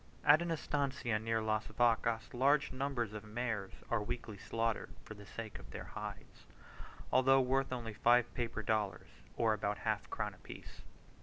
At an estancia near Las Vacas large numbers of mares are weekly slaughtered for the sake of their hides, although worth only five paper dollars, or about half a crown apiece.